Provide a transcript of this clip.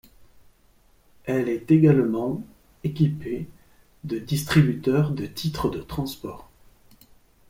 Elle est également équipée de distributeurs de titres de transport.